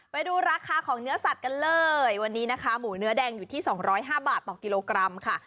ไปดูราคาของเนื้อสัตว์กันเลยวันนี้นะคะหมูเนื้อแดงอยู่ที่๒๐๕บาทต่อกิโลกรัมค่ะ